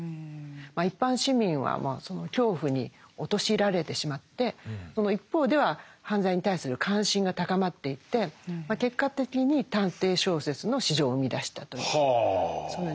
一般市民はその恐怖に陥れられてしまってその一方では犯罪に対する関心が高まっていって結果的に探偵小説の市場を生み出したというそういう流れですね。